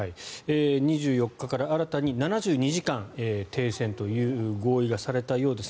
２４日から新たに７２時間停戦という合意がされたようです。